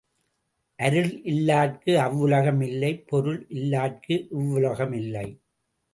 அருள் இல்லார்க்கு அவ்வுலகம் இல்லை பொருள் இல்லார்க்கு இவ்வுலகம் இல்லை.